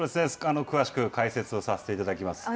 詳しく解説をさせていただきます。